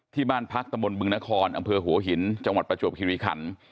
ที่บ้านพักตะบนบึงนครอำเภอหัวหินจังหวัดประจวบคิริขัน